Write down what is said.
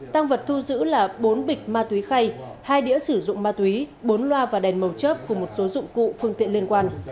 tăng vật thu giữ là bốn bịch ma túy khay hai đĩa sử dụng ma túy bốn loa và đèn màu chớp cùng một số dụng cụ phương tiện liên quan